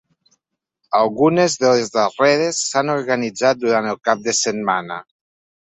Algunes de les darreres s’han organitzat durant el cap de setmana.